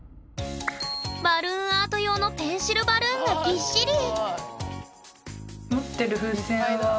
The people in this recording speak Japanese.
バルーンアート用のペンシルバルーンがぎっしり。